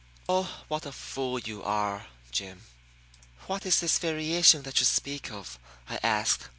Oh, what a fool you are, Jim!" "What is this variation that you speak of?" I asked.